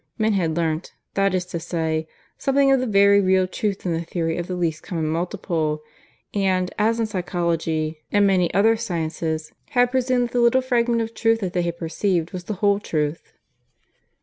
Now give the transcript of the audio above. Men had learnt, that is to say, something of the very real truth in the theory of the Least Common Multiple, and, as in psychology and many other sciences, had presumed that the little fragment of truth that they had perceived was the whole truth."